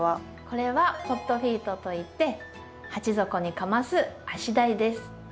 これはポットフィートといって鉢底にかます足台です。